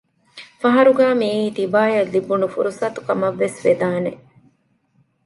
ފަހަރުގައި މިއީ ތިބާއަށް ލިބުނު ފުރުޞަތުކަމަށްވެސް ވެދާނެ